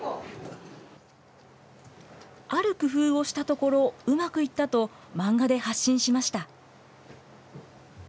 ある工夫をしたところ、うまくいったと、漫画で発信しました。